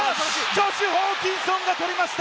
ジョシュ・ホーキンソンが取りました。